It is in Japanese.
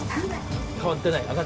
変わってない？